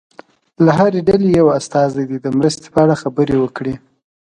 له هرې ډلې یو استازی دې د مرستې په اړه خبرې وکړي.